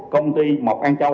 công ty mộc an châu